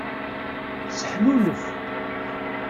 Seḥnunef.